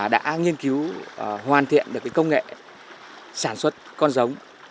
đã nghiên cứu hoàn thiện được công nghệ sản xuất con giống